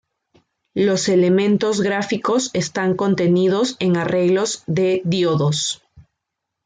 Los elementos gráficos están contenidos en arreglos de diodos.